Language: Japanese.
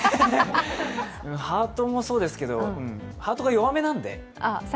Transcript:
ハートもそうですけど、ハートが弱めなんで。